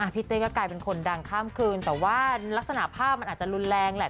เต้ก็กลายเป็นคนดังข้ามคืนแต่ว่ารักษณะภาพมันอาจจะรุนแรงแหละ